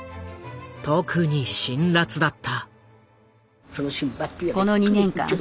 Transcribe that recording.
特に辛辣だった。